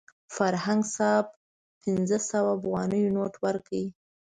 فرهنګ صاحب پنځه سوه افغانیو نوټ ورکړ.